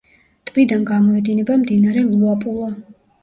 ტბიდან გამოედინება მდინარე ლუაპულა.